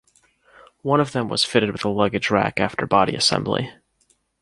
One of them was fitted with luggage rack after body assembly.